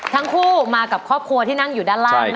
ทั้งคู่มากับครอบครัวที่นั่งอยู่ด้านล่าง